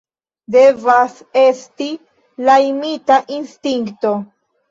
Devas esti la imita instinkto!